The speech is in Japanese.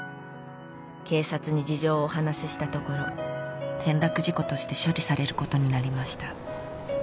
「警察に事情をお話ししたところ」「転落事故として処理されることになりました」